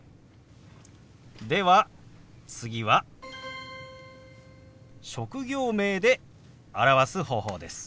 では次は職業名で表す方法です。